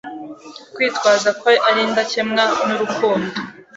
Mu kwitwaza ko ari indakemwa nurukundo